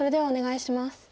お願いします。